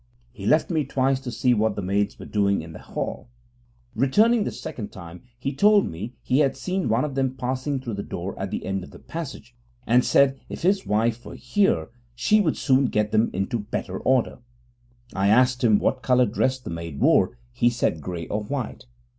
He left me twice to see what the maids were doing in the hall: returning the second time he told me he had seen one of them passing through the door at the end of the passage, and said if his wife were here she would soon get them into better order. I asked him what coloured dress the maid wore; he said grey or white.